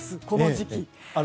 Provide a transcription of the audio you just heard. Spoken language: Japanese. この時期。